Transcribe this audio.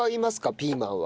ピーマンは。